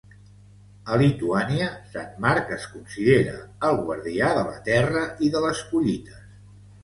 A Lituània, Sant Marc es considera el guardià de la terra i de les collites.